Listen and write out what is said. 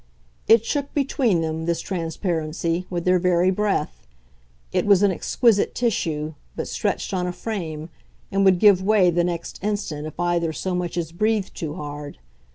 It shook between them, this transparency, with their very breath; it was an exquisite tissue, but stretched on a frame, and would give way the next instant if either so much as breathed too hard.